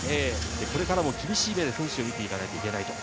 これからも厳しい目で選手を見ていかないといけない。